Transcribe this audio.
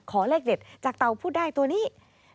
เลขเด็ดจากเต่าพูดได้ตัวนี้